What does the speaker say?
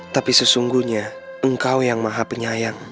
tapi sesungguhnya engkau yang maha penyayang